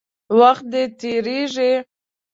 وخت دی، تېرېږي.